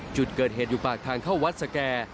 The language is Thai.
จุดเกิดเหตุอยู่ปากทางเข้าวัดสแก่